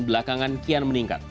belakangan kian meningkat